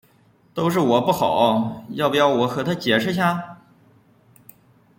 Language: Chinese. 都是我不好，要不要我和她解释下？